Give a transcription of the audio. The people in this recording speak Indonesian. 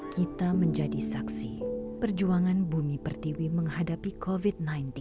kita menjadi saksi perjuangan bumi pertiwi menghadapi covid sembilan belas